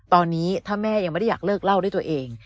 ตอนนี้ถ้าแม่ยังไม่ได้อยากเลิกเล่าด้วยตัวเอง